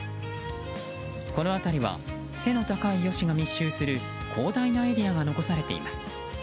この辺りは背の高いヨシが密集する広大なエリアが残されています。